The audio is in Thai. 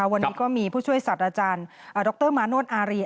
วันนี้ก็มีผู้ช่วยสัตว์อาจารย์ดรมาโนธอารี